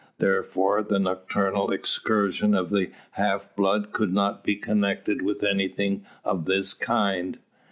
Therefore, the nocturnal excursion of the half blood could not be connected with anything of this kind.